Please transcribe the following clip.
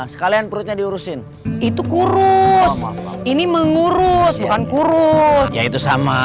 sekalian perutnya diurusin itu kurus ini mengurus bukan kurus ya itu sama